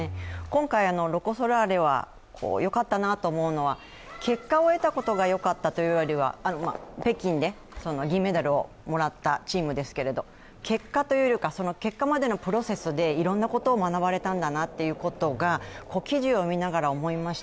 今回、ロコ・ソラーレはよかったなと思うのは結果を得たことがよかったというよりは北京で銀メダルをもらったチームですけれども、結果というか、その結果までのプロセスでいろんなことを学ばれたんだなと記事を見ながら重い増し。